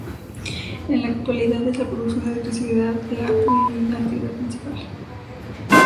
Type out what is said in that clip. En la actualidad, es la producción de electricidad la actividad principal.